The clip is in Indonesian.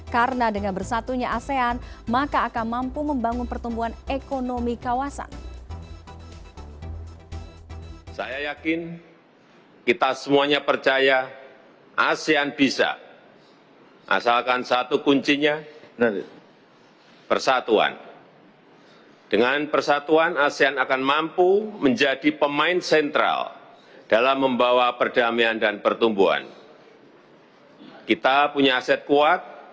karena dengan bersatunya asean maka akan mampu membangun pertumbuhan ekonomi kawasan